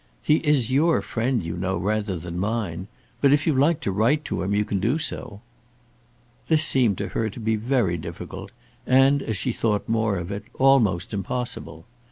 "He is your friend you know rather than mine; but if you like to write to him you can do so." This seemed to her to be very difficult, and, as she thought more of it, almost impossible.